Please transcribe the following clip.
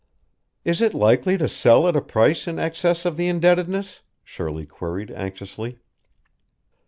"Is it likely to sell at a price in excess of the indebtedness?" Shirley queried anxiously.